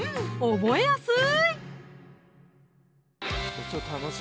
覚えやすい！